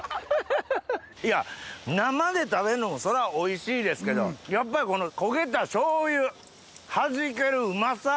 いや生で食べるのもそらおいしいですけどやっぱりこの焦げたしょうゆはじけるうまさ。